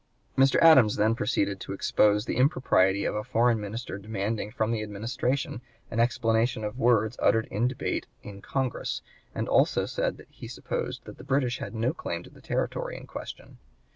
'" Mr. Adams then proceeded to expose the impropriety of a foreign minister demanding from the Administration an explanation of words uttered in debate in Congress, and also said that he supposed that the British had no claim to the territory in question.